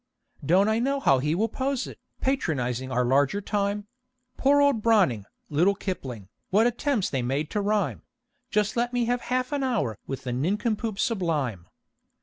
Don't I know how he will pose it; patronize our larger time; "Poor old Browning; little Kipling; what attempts they made to rhyme!" Just let me have half an hour with the nincompoop sublime!